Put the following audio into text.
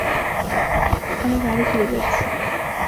আমরা বাড়ি ফিরে যাচ্ছি।